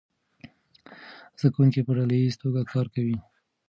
زده کوونکي په ډله ییزه توګه کار کوي.